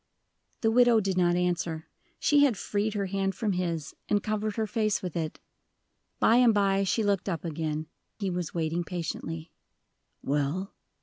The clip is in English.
The widow did not answer. She had freed her hand from his, and covered her face with it. By and by she looked up again he was waiting patiently. "Well?"